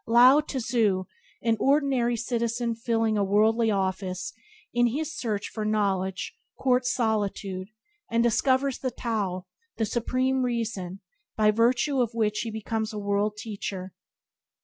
Lao tze, an ordinary citizen filling a worldly office, in his search for knowledge courts solitude, and discovers Tao, the Supreme Reason, by virtue of which he becomes a world teacher.